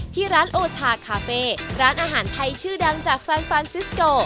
ที่ร้านโอชาคาเฟ่ร้านอาหารไทยชื่อดังจากซานฟรานซิสโก